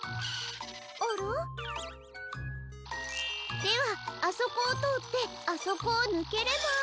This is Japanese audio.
あら？ではあそこをとおってあそこをぬければ。